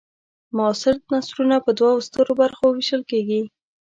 معاصر نثرونه په دوو سترو برخو وېشل کیږي.